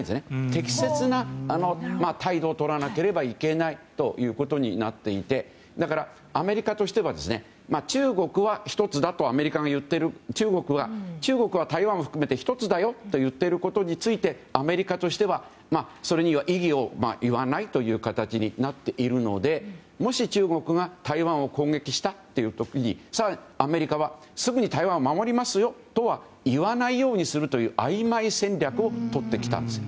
適切な態度をとらなければいけないということになっていてだから、アメリカとしては中国は１つだとアメリカが言っている中国は台湾を含めて１つだよと言っていることについてアメリカとしてはそれには意義を言わないという形になっているのでもし中国が台湾を攻撃した時にアメリカはすぐに台湾を守りますよとは言わないようにするというあいまい戦略をとってきたんです。